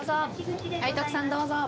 はい徳さんどうぞ。